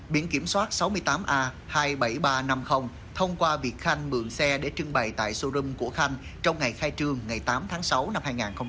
biển kiểm soát sáu mươi tám a hai mươi bảy nghìn ba trăm năm mươi thông qua việc khanh mượn xe để trưng bày tại showroom của khanh trong ngày khai trương ngày tám tháng sáu năm hai nghìn hai mươi ba